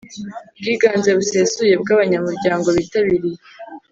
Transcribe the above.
Bwiganze busesuye bw abanyamuryango bitabiriye